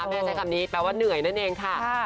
ใช้คำนี้แปลว่าเหนื่อยนั่นเองค่ะ